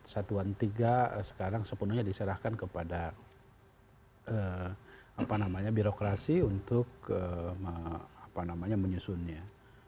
satuan tiga sekarang sepenuhnya diserahkan kepada birokrasi untuk menyusunnya